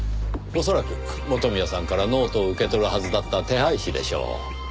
恐らく元宮さんからノートを受け取るはずだった手配師でしょう。